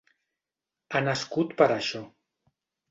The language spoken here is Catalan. Ha nascut per a això.